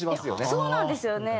そうなんですよね！